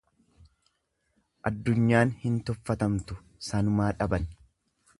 Addunyaan hin tuffatamtu sanumaa dhaban.